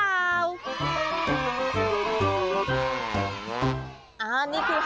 กลายเป็นความเชื่อที่ยังใช้ตามกันมาจนถึงปัจจุบันแบบนี้แหละค่ะ